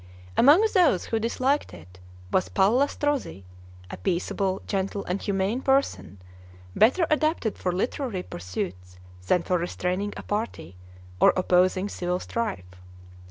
Among those who disliked it was Palla Strozzi, a peaceable, gentle, and humane person, better adapted for literary pursuits than for restraining a party, or opposing civil strife.